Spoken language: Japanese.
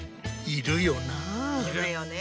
いるよね。